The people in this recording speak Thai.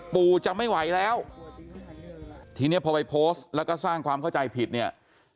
ปู่จะไม่ไหวแล้วทีนี้พอไปโพสต์แล้วก็สร้างความเข้าใจผิดเนี่ย